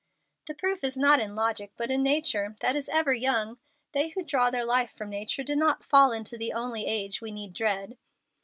"The proof is not in logic but in nature, that is ever young. They who draw their life from nature do not fall into the only age we need dread."